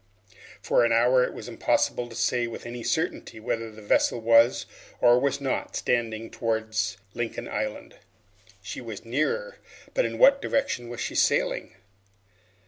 For an hour it was impossible to say with any certainty whether the vessel was or was not standing towards Lincoln Island. She was nearer, but in what direction was she sailing?